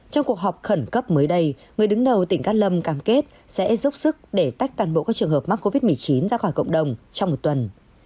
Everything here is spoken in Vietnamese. trong cuộc họp khẩn cấp mới đây người đứng đầu tỉnh cát lâm cam kết sẽ dốc sức để tách toàn bộ các trường hợp mắc covid một mươi chín ra khỏi cộng đồng trong một tuần